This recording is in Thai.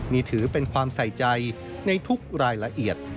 นี่ถือเป็นความใส่ใจในทุกรายละเอียด